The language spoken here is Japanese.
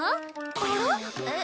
あらえっ？